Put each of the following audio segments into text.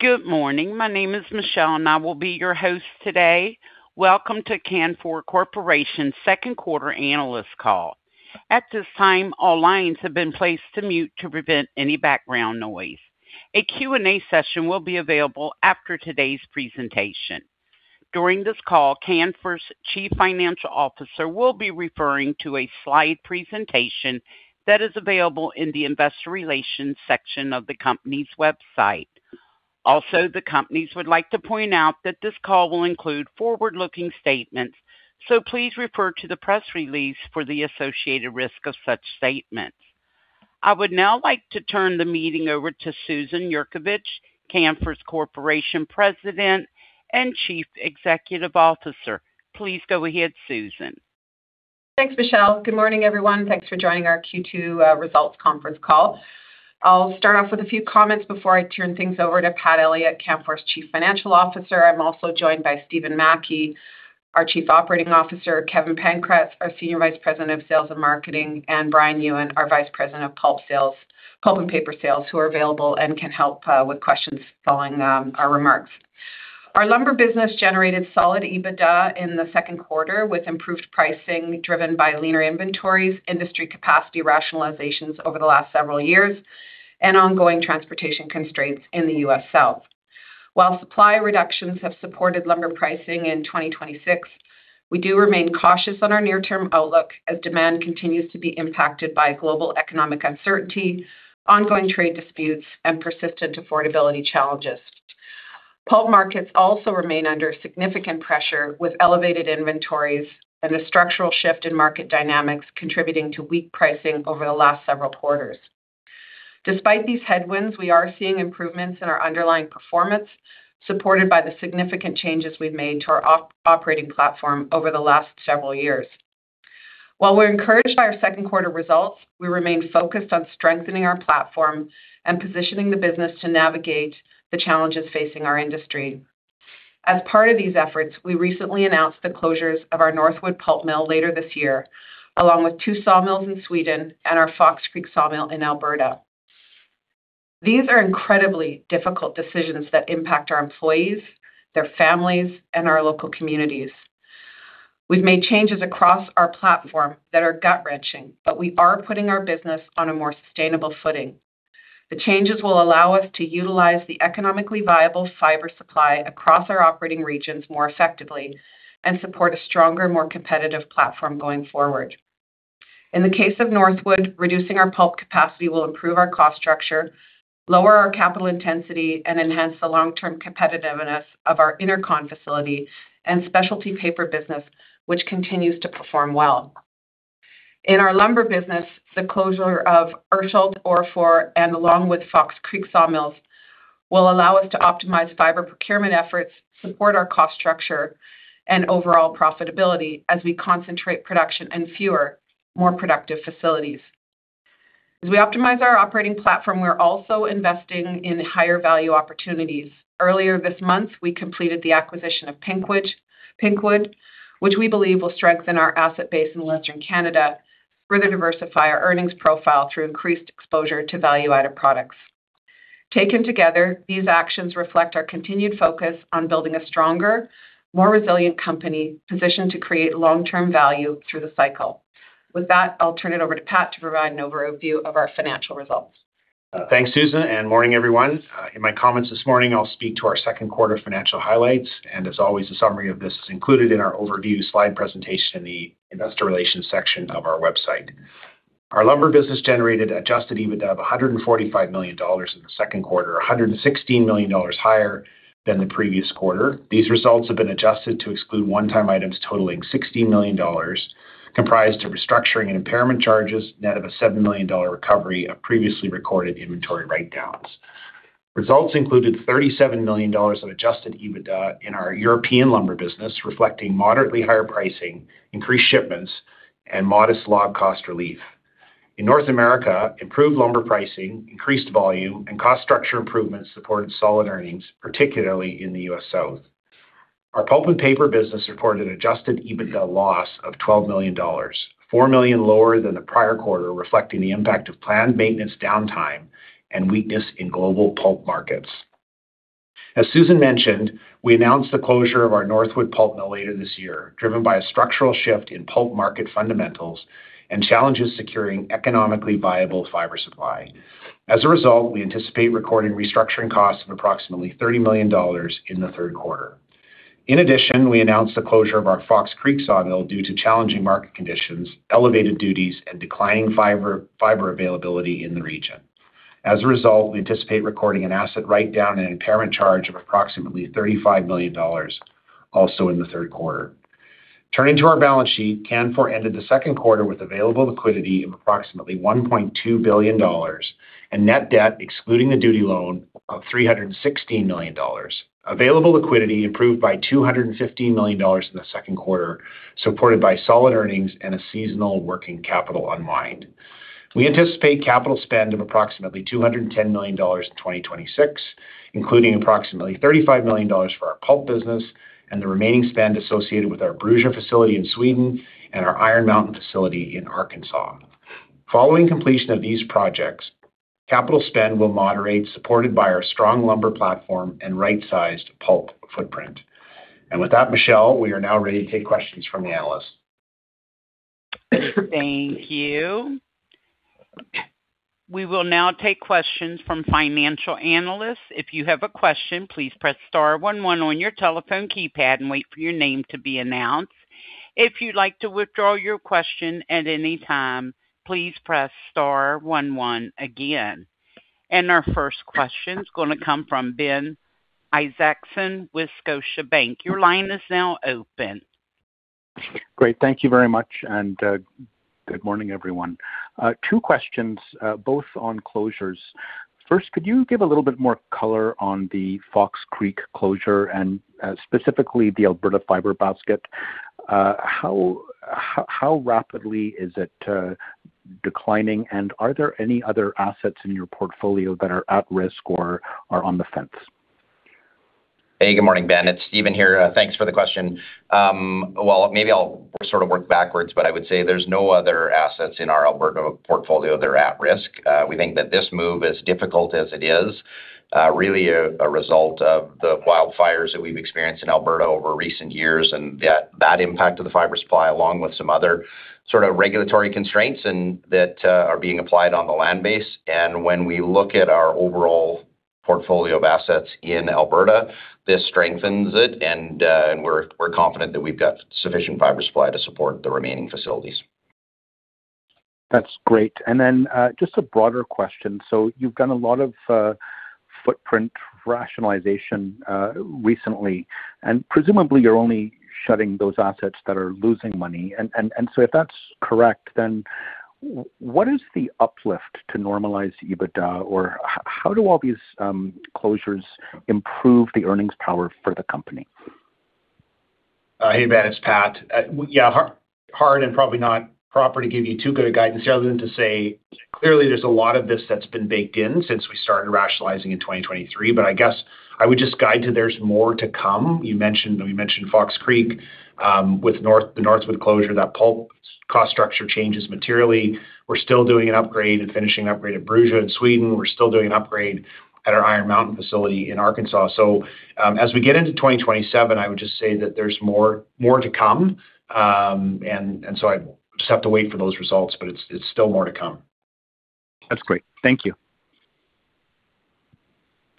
Good morning. My name is Michelle and I will be your host today. Welcome to Canfor Corporation's second quarter analyst call. At this time, all lines have been placed to mute to prevent any background noise. A Q&A session will be available after today's presentation. During this call, Canfor's Chief Financial Officer will be referring to a slide presentation that is available in the investor relations section of the company's website. Also, the company would like to point out that this call will include forward-looking statements, so please refer to the press release for the associated risk of such statements. I would now like to turn the meeting over to Susan Yurkovich, Canfor Corporation President and Chief Executive Officer. Please go ahead, Susan. Thanks, Michelle. Good morning, everyone. Thanks for joining our Q2 results conference call. I will start off with a few comments before I turn things over to Pat Elliott, Canfor's Chief Financial Officer. I am also joined by Stephen Mackie, our Chief Operating Officer, Kevin Pankratz, our Senior Vice President of Sales and Marketing, and Brian Yuen, our Vice President of Pulp and Paper Sales, who are available and can help with questions following our remarks. Our lumber business generated solid EBITDA in the second quarter with improved pricing driven by leaner inventories, industry capacity rationalizations over the last several years, and ongoing transportation constraints in the U.S. South. While supply reductions have supported lumber pricing in 2026, we do remain cautious on our near-term outlook as demand continues to be impacted by global economic uncertainty, ongoing trade disputes, and persistent affordability challenges. Pulp markets also remain under significant pressure, with elevated inventories and a structural shift in market dynamics contributing to weak pricing over the last several quarters. Despite these headwinds, we are seeing improvements in our underlying performance, supported by the significant changes we've made to our operating platform over the last several years. While we're encouraged by our second quarter results, we remain focused on strengthening our platform and positioning the business to navigate the challenges facing our industry. As part of these efforts, we recently announced the closures of our Northwood Pulp Mill later this year, along with two sawmills in Sweden and our Fox Creek sawmill in Alberta. These are incredibly difficult decisions that impact our employees, their families, and our local communities. We've made changes across our platform that are gut-wrenching, but we are putting our business on a more sustainable footing. The changes will allow us to utilize the economically viable fiber supply across our operating regions more effectively and support a stronger, more competitive platform going forward. In the case of Northwood, reducing our pulp capacity will improve our cost structure, lower our capital intensity, and enhance the long-term competitiveness of our Intercon facility and specialty paper business, which continues to perform well. In our lumber business, the closure of Urshult, Orrefors, and along with Fox Creek sawmills will allow us to optimize fiber procurement efforts, support our cost structure, and overall profitability as we concentrate production in fewer, more productive facilities. As we optimize our operating platform, we're also investing in higher-value opportunities. Earlier this month, we completed the acquisition of PinkWood, which we believe will strengthen our asset base in Western Canada, further diversify our earnings profile through increased exposure to value-added products. Taken together, these actions reflect our continued focus on building a stronger, more resilient company positioned to create long-term value through the cycle. With that, I'll turn it over to Pat to provide an overview of our financial results. Thanks, Susan. Morning, everyone. In my comments this morning, I'll speak to our second quarter financial highlights. As always, a summary of this is included in our overview slide presentation in the investor relations section of our website. Our lumber business generated adjusted EBITDA of 145 million dollars in the second quarter, 116 million dollars higher than the previous quarter. These results have been adjusted to exclude one-time items totaling 16 million dollars, comprised of restructuring and impairment charges, net of a 7 million dollar recovery of previously recorded inventory write-downs. Results included 37 million dollars of adjusted EBITDA in our European lumber business, reflecting moderately higher pricing, increased shipments, and modest log cost relief. In North America, improved lumber pricing, increased volume, and cost structure improvements supported solid earnings, particularly in the U.S. South. Our pulp and paper business reported an adjusted EBITDA loss of 12 million dollars, 4 million lower than the prior quarter, reflecting the impact of planned maintenance downtime and weakness in global pulp markets. As Susan mentioned, we announced the closure of our Northwood Pulp Mill later this year, driven by a structural shift in pulp market fundamentals and challenges securing economically viable fiber supply. As a result, we anticipate recording restructuring costs of approximately 30 million dollars in the third quarter. In addition, we announced the closure of our Fox Creek Sawmill due to challenging market conditions, elevated duties, and declining fiber availability in the region. As a result, we anticipate recording an asset write-down and impairment charge of approximately 35 million dollars, also in the third quarter. Turning to our balance sheet, Canfor ended the second quarter with available liquidity of approximately 1.2 billion dollars and net debt, excluding the duty loan, of 316 million dollars. Available liquidity improved by 215 million dollars in the second quarter, supported by solid earnings and a seasonal working capital unwind. We anticipate capital spend of approximately 210 million dollars in 2026, including approximately 35 million dollars for our pulp business and the remaining spend associated with our Bruza Sawmill in Sweden and our Iron Mountain sawmill in Arkansas. Following completion of these projects, capital spend will moderate, supported by our strong lumber platform and right-sized pulp footprint. With that, Michelle, we are now ready to take questions from the analysts. Thank you. We will now take questions from financial analysts. If you have a question, please press star one one on your telephone keypad and wait for your name to be announced. If you'd like to withdraw your question at any time, please press star one one again. Our first question is going to come from Ben Isaacson with Scotiabank. Your line is now open. Great. Thank you very much, and good morning, everyone. Two questions, both on closures. First, could you give a little bit more color on the Fox Creek closure and specifically the Alberta fiber basket? How rapidly is it declining, and are there any other assets in your portfolio that are at risk or are on the fence? Hey, good morning, Ben. It's Stephen here. Thanks for the question. Maybe I'll sort of work backwards, but I would say there's no other assets in our Alberta portfolio that are at risk. We think that this move, as difficult as it is, really a result of the wildfires that we've experienced in Alberta over recent years and that impact of the fiber supply along with some other sort of regulatory constraints that are being applied on the land base. When we look at our overall portfolio of assets in Alberta, this strengthens it, and we're confident that we've got sufficient fiber supply to support the remaining facilities. That's great. Then just a broader question. You've done a lot of footprint rationalization recently, and presumably you're only shutting those assets that are losing money. If that's correct, then what is the uplift to normalize EBITDA or how do all these closures improve the earnings power for the company? Hey, Ben, it's Pat. Yeah, hard and probably not proper to give you too good a guidance other than to say clearly there's a lot of this that's been baked in since we started rationalizing in 2023, but I guess I would just guide to there's more to come. We mentioned Fox Creek with the Northwood closure, that pulp cost structure changes materially. We're still doing an upgrade and finishing an upgrade at Bruza in Sweden. We're still doing an upgrade at our Iron Mountain facility in Arkansas. As we get into 2027, I would just say that there's more to come. I just have to wait for those results, but it's still more to come. That's great. Thank you.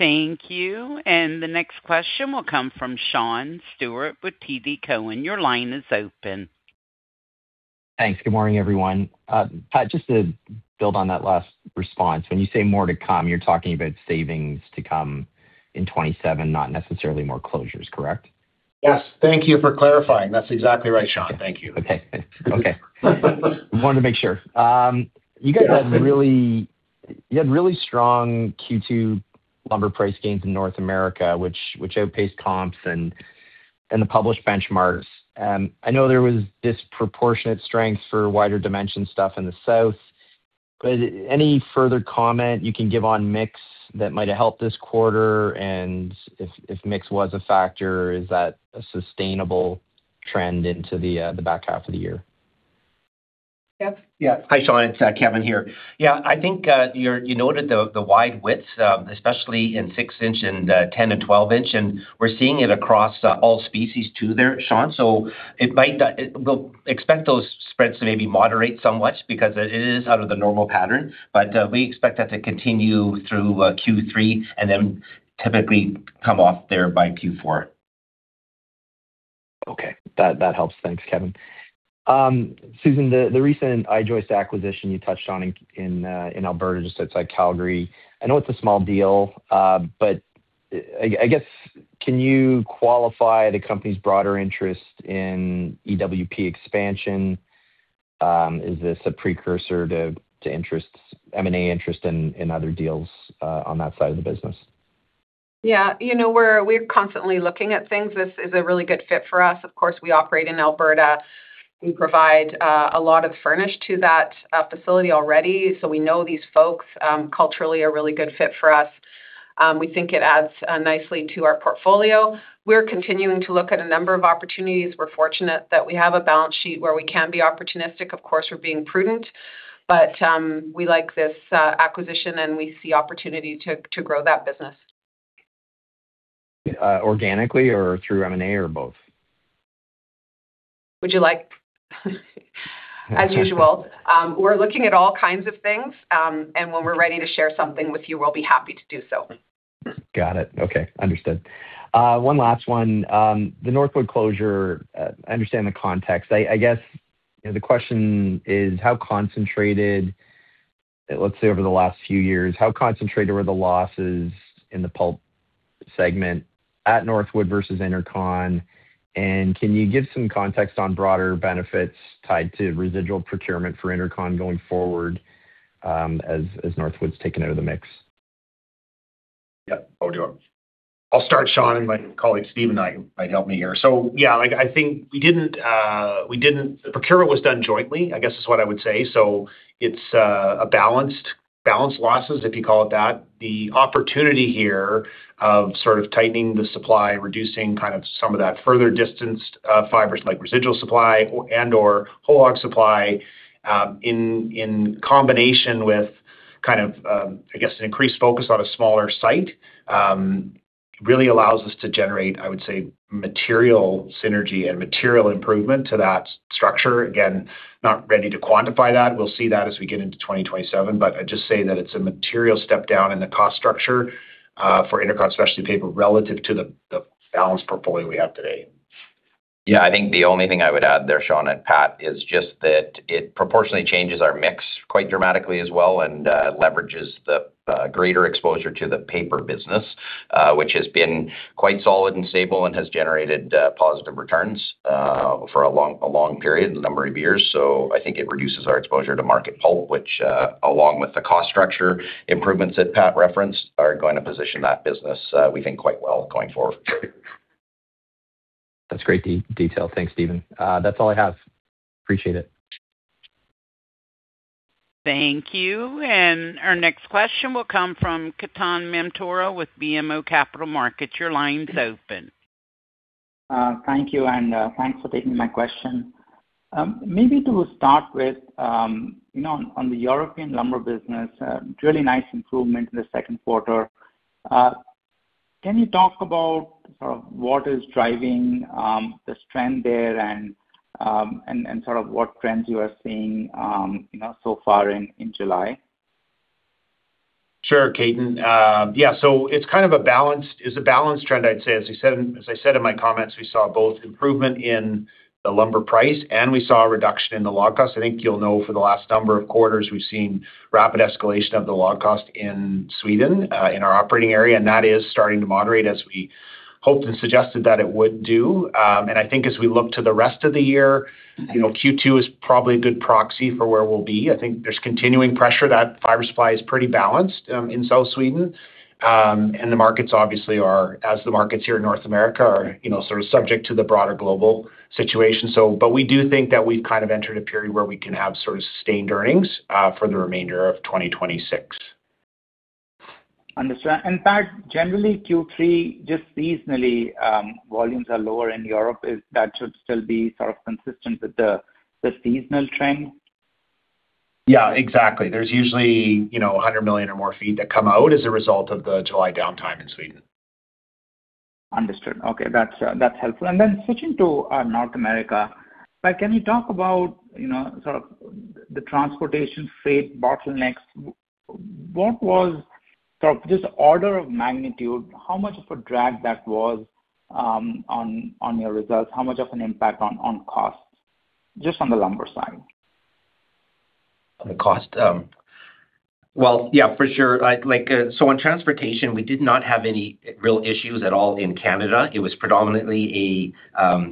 Thank you. The next question will come from Sean Steuart with TD Cowen. Your line is open. Thanks. Good morning, everyone. Pat, just to build on that last response, when you say more to come, you're talking about savings to come in 2027, not necessarily more closures, correct? Yes. Thank you for clarifying. That's exactly right, Sean. Thank you. Wanted to make sure. You guys had really strong Q2 lumber price gains in North America, which outpaced comps and the published benchmarks. I know there was disproportionate strength for wider dimension stuff in the South, any further comment you can give on mix that might have helped this quarter and if mix was a factor, is that a sustainable trend into the back half of the year? Hi, Sean. It's Kevin here. I think, you noted the wide widths, especially in 6 in and 10 in and 12 in, and we're seeing it across all species too there, Sean. Expect those spreads to maybe moderate somewhat because it is out of the normal pattern, we expect that to continue through Q3 and typically come off there by Q4. That helps. Thanks, Kevin. Susan, the recent I-joist acquisition you touched on in Alberta, just outside Calgary, I know it's a small deal, I guess, can you qualify the company's broader interest in EWP expansion? Is this a precursor to M&A interest in other deals on that side of the business? Yeah. We're constantly looking at things. This is a really good fit for us. Of course, we operate in Alberta. We provide a lot of furnish to that facility already, so we know these folks culturally are a really good fit for us. We think it adds nicely to our portfolio. We're continuing to look at a number of opportunities. We're fortunate that we have a balance sheet where we can be opportunistic. Of course, we're being prudent, but we like this acquisition, and we see opportunity to grow that business. Organically or through M&A or both? Would you like as usual, we're looking at all kinds of things. When we're ready to share something with you, we'll be happy to do so. Got it. Okay. Understood. One last one. The Northwood closure, I understand the context. I guess the question is, how concentrated, let's say over the last few years, how concentrated were the losses in the pulp segment at Northwood versus Intercon. Can you give some context on broader benefits tied to residual procurement for Intercon going forward as Northwood's taken out of the mix? I'll start, Sean, and my colleague Stephen might help me here. Yeah, I think the procurement was done jointly, I guess is what I would say. It's a balanced losses, if you call it that. The opportunity here of sort of tightening the supply, reducing kind of some of that further distanced fibers, like residual supply and/or whole log supply, in combination with an increased focus on a smaller site, really allows us to generate, I would say, material synergy and material improvement to that structure. Again, not ready to quantify that. We'll see that as we get into 2027. I'd just say that it's a material step-down in the cost structure for Intercon Specialty Paper relative to the balanced portfolio we have today. I think the only thing I would add there, Sean and Pat, is just that it proportionately changes our mix quite dramatically as well, and leverages the greater exposure to the paper business, which has been quite solid and stable and has generated positive returns for a long period, a number of years. I think it reduces our exposure to market pulp, which, along with the cost structure improvements that Pat referenced, are going to position that business, we think, quite well going forward. That's great detail. Thanks, Stephen. That's all I have. Appreciate it. Thank you. Our next question will come from Ketan Mamtora with BMO Capital Markets. Your line's open. Thank you, and thanks for taking my question. Maybe to start with, on the European lumber business, really nice improvement in the second quarter. Can you talk about sort of what is driving this trend there and sort of what trends you are seeing so far in July? Sure, Ketan. It's a balanced trend, I'd say. As I said in my comments, we saw both improvement in the lumber price and we saw a reduction in the log cost. I think you'll know for the last number of quarters, we've seen rapid escalation of the log cost in Sweden, in our operating area, and that is starting to moderate as we hoped and suggested that it would do. I think as we look to the rest of the year, Q2 is probably a good proxy for where we'll be. I think there's continuing pressure. That fiber supply is pretty balanced in South Sweden. The markets obviously are, as the markets here in North America are, sort of subject to the broader global situation. We do think that we've kind of entered a period where we can have sort of sustained earnings for the remainder of 2026. Understood. Pat, generally Q3, just seasonally, volumes are lower in Europe. That should still be sort of consistent with the seasonal trend? Yeah, exactly. There's usually 100 million or more feet that come out as a result of the July downtime in Sweden. Understood. Okay, that's helpful. Switching to North America. Pat, can you talk about sort of the transportation freight bottlenecks? Just order of magnitude, how much of a drag that was on your results? How much of an impact on cost, just on the lumber side? On the cost. Well, yeah, for sure. On transportation, we did not have any real issues at all in Canada. It was predominantly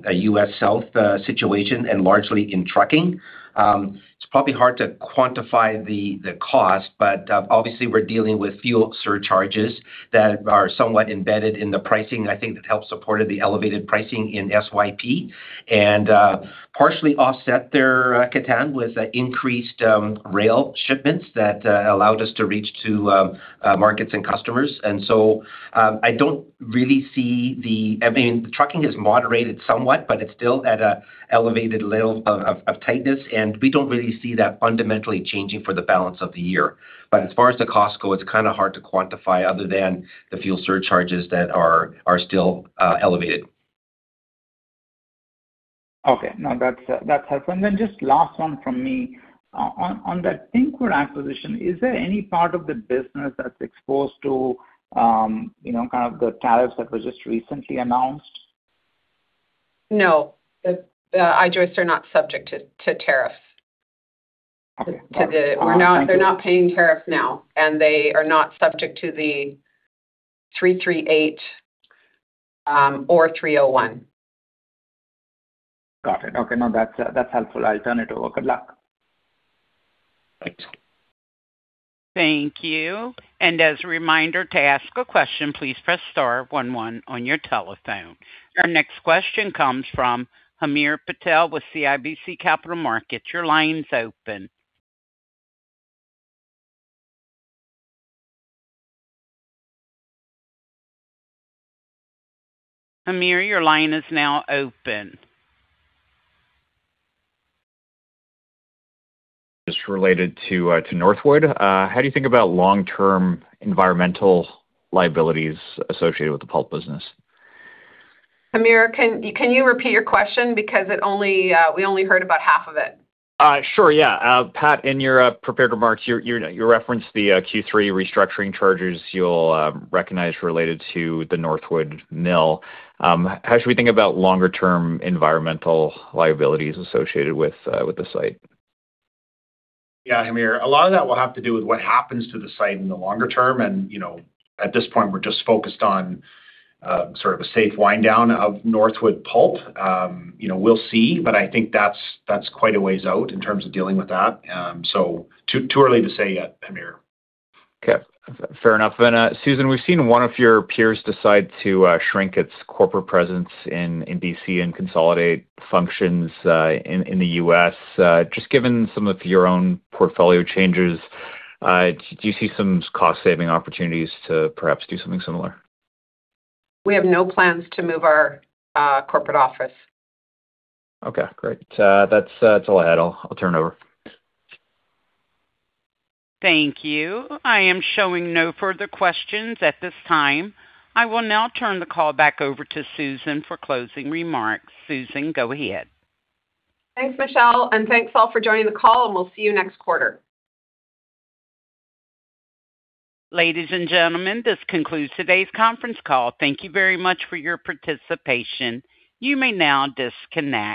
a U.S. South situation and largely in trucking. It's probably hard to quantify the cost, but obviously we're dealing with fuel surcharges that are somewhat embedded in the pricing. I think that helped supported the elevated pricing in SYP and partially offset there, Ketan, with increased rail shipments that allowed us to reach to markets and customers. I don't really see. The trucking has moderated somewhat, it's still at an elevated level of tightness. We don't really see that fundamentally changing for the balance of the year. As far as the costs go, it's kind of hard to quantify other than the fuel surcharges that are still elevated. Okay. No, that's helpful. Just last one from me. On that PinkWood acquisition, is there any part of the business that's exposed to kind of the tariffs that were just recently announced? No. The I-joists are not subject to tariffs. Okay. All right. Thank you. They're not paying tariff now, and they are not subject to the 338 or 301. Got it. Okay, no, that's helpful. I'll turn it over. Good luck. Thanks. Thank you. As a reminder to ask a question, please press star one one on your telephone. Our next question comes from Hamir Patel with CIBC Capital Markets. Your line's open. Hamir, your line is now open. Just related to Northwood. How do you think about long-term environmental liabilities associated with the pulp business? Hamir, can you repeat your question? We only heard about half of it. Sure, yeah. Pat, in your prepared remarks, you referenced the Q3 restructuring charges you'll recognize related to the Northwood mill. How should we think about longer term environmental liabilities associated with the site? Yeah, Hamir. A lot of that will have to do with what happens to the site in the longer term. At this point, we're just focused on sort of a safe wind down of Northwood Pulp. We'll see, but I think that's quite a ways out in terms of dealing with that. Too early to say yet, Hamir. Okay, fair enough. Susan, we've seen one of your peers decide to shrink its corporate presence in B.C. and consolidate functions in the U.S. Just given some of your own portfolio changes, do you see some cost saving opportunities to perhaps do something similar? We have no plans to move our corporate office. Okay, great. That's all I had. I'll turn it over. Thank you. I am showing no further questions at this time. I will now turn the call back over to Susan for closing remarks. Susan, go ahead. Thanks, Michelle, and thanks, all, for joining the call, and we'll see you next quarter. Ladies and gentlemen, this concludes today's conference call. Thank you very much for your participation. You may now disconnect.